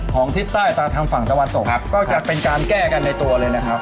ของที่ใต้ตามทางฝั่งตะวันศพครับก็จะเป็นการแก้กันในตัวเลยนะครับ